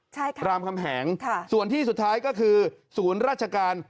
ใช่ค่ะค่ะส่วนที่สุดท้ายก็คือศูนย์ราชการ